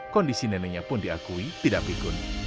kondisi neneknya pun diakui tidak pikun